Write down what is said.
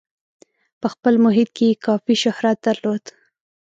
په خپل محیط کې یې کافي شهرت درلود.